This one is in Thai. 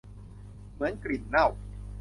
เหมือนกลิ่นเน่า